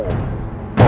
dan raden kiansanta